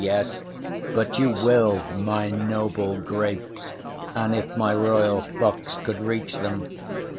Yes, but you will My noble grapes, and if my royal fox Could reach them.